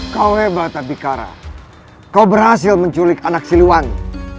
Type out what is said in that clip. kau hebat abikara kau berhasil menculik anak siliwangi